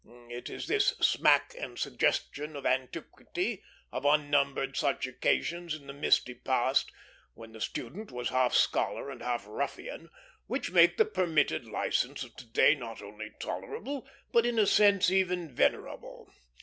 It is this smack and suggestion of antiquity, of unnumbered such occasions in the misty past, when the student was half scholar and half ruffian, which make the permitted license of to day not only tolerable, but in a sense even venerable.